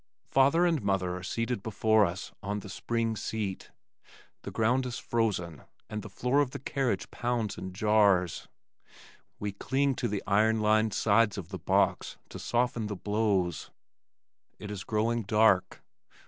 Father and mother are seated before us on the spring seat. The ground is frozen and the floor of the carriage pounds and jars. We cling to the iron lined sides of the box to soften the blows. It is growing dark.